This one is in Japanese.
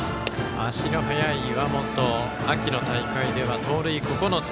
足の速い岩本秋の大会では盗塁９つ。